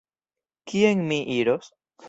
Kien mi iros?